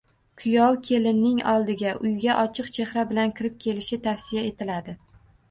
Kuyov kelinning oldiga, uyga ochiq chehra bilan kirib kelishi tavsiya etiladi.